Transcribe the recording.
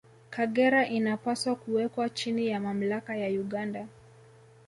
Kagera inapaswa kuwekwa chini ya mamlaka ya Uganda